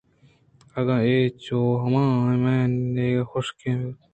اگاں اے چوہما مین ئیگ ءَ حُشک بُوت